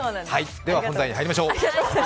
では本題に入りましょう。